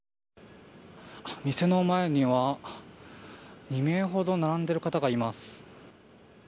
店の前には２名ほど並んでいる方がいます。